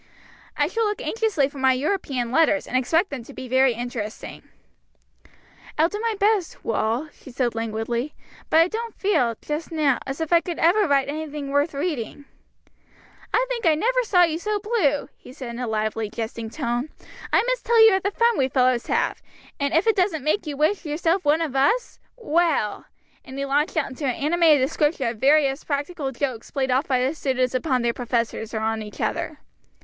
"I shall look anxiously for my European letters, and expect them to be very interesting." "I'll do my best, Wal," she said languidly, "but I don't feel, just now, as if I could ever write anything worth reading." "I think I never saw you so blue," he said in a lively, jesting tone. "I must tell you of the fun we fellows have, and if it doesn't make you wish yourself one of us Well," and he launched out into an animated description of various practical jokes played off by the students upon their professors or on each other.